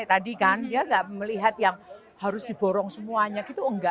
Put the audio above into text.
tadi kan dia tidak melihat yang harus diborong semuanya